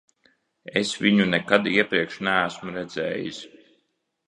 Es viņu nekad iepriekš neesmu redzējis.